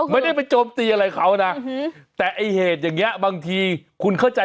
ไม่ได้ไปโจมตีอะไรเขานะ